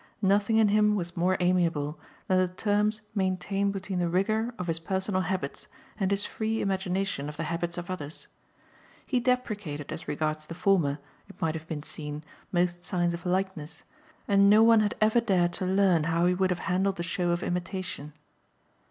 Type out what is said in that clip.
Nothing in him was more amiable than the terms maintained between the rigour of his personal habits and his free imagination of the habits of others. He deprecated as regards the former, it might have been seen, most signs of likeness, and no one had ever dared to learn how he would have handled a show of imitation.